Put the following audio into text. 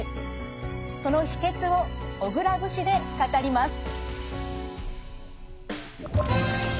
その秘けつを小倉節で語ります。